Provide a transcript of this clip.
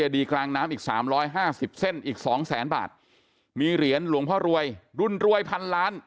ดีกลางน้ำอีก๓๕๐เส้นอีกสองแสนบาทมีเหรียญหลวงพ่อรวยรุ่นรวยพันล้าน